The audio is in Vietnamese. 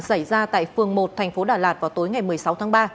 xảy ra tại phường một thành phố đà lạt vào tối ngày một mươi sáu tháng ba